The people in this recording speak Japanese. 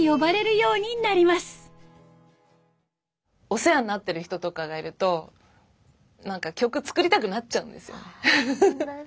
お世話になってる人とかがいると何か曲作りたくなっちゃうんですよね。